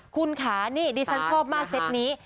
คุณค่ะนี่ดิฉันชอบมากเซตนี้